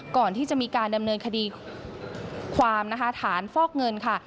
ก่อนที่จะมีการดำเนินคดีความนะคะฐานฟอกเงินค่ะ